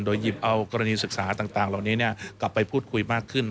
โดยหยิบเอากรณีศึกษาต่างเหล่านี้กลับไปพูดคุยมากขึ้น